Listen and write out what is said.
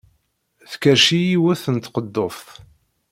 Tkerrec-iyi yiwet n tkeḍḍuft.